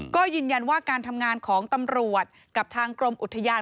ก็ยืนยันว่าการทำงานของตำรวจกับทางกรมอุทยาน